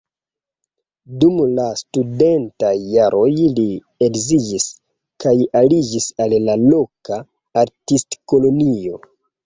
Dum la studentaj jaroj li edziĝis kaj aliĝis al la loka artistkolonio.